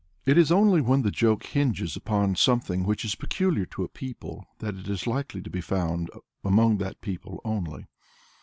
It is only when the joke hinges upon something which is peculiar to a people that it is likely to be found among that people only.